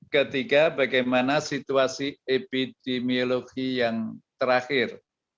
ketiga bagaimana situasi epidemiologi yang terakhir